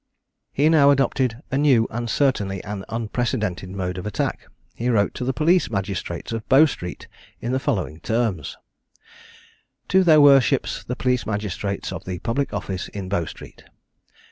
He now adopted a new and certainly an unprecedented mode of attack. He wrote to the police magistrates of Bow street in the following terms: "To their Worships, the Police Magistrates of the Public Office in Bow street.